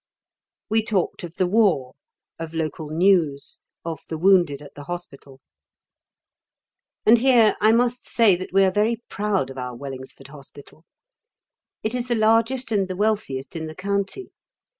We talked of the war, of local news, of the wounded at the hospital. And here I must say that we are very proud of our Wellingsford Hospital. It is the largest and the wealthiest in the county.